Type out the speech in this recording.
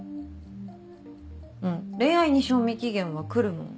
うん恋愛に賞味期限はくるもん。